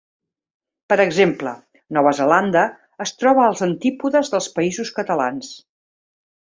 Per exemple, Nova Zelanda es troba als antípodes dels Països Catalans.